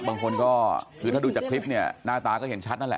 บางคนก็คือถ้าดูจากคลิปเนี่ยหน้าตาก็เห็นชัดนั่นแหละ